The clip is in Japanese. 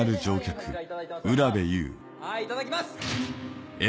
はいいただきます！